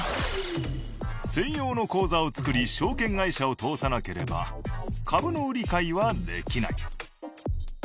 専用の口座を作り証券会社を通さなければ株の売り買いはできない。